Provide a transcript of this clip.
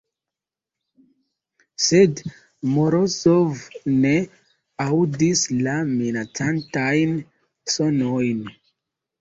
Sed Morozov ne aŭdis la minacantajn sonojn.